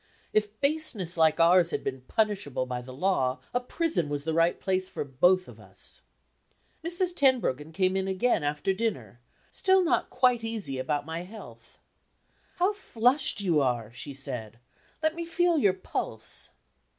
If baseness like ours had been punishable by the law, a prison was the right place for both of us. Mrs. Tenbruggen came in again after dinner, still not quite easy about my health. "How flushed you are!" she said. "Let me feel your pulse."